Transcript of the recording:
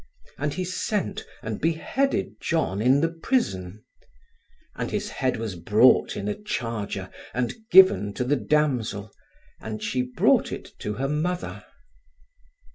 And he sent, and beheaded John in the prison. And his head was brought in a charger, and given to the damsel: and she brought it to her mother.